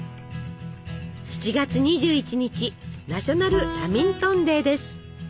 ７月２１日ナショナルラミントンデーです。